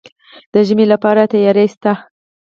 د ژمي لپاره تیاری شته؟